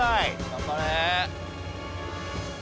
頑張れ！